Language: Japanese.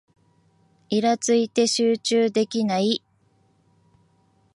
イラついて集中できない